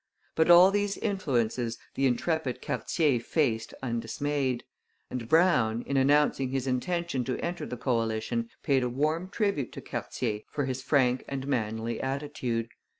But all these influences the intrepid Cartier faced undismayed; and Brown, in announcing his intention to enter the coalition, paid a warm tribute to Cartier for his frank and manly attitude.